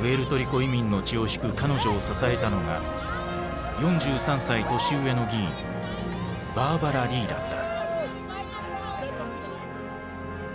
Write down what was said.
プエルトリコ移民の血を引く彼女を支えたのが４３歳年上の議員バーバラ・リーだった。